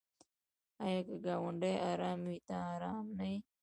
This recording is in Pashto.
آیا که ګاونډی ارام وي ته ارام نه یې؟